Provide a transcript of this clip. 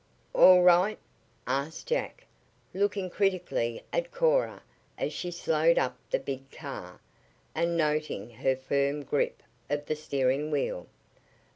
"All right?" asked Jack, looking critically at Cora as she slowed up the big car, and noting her firm grip of the steering wheel.